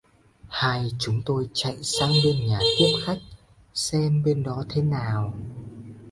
Hai chúng tôi chạy sang bên nhà tiếp khách, xem bên đó thế nào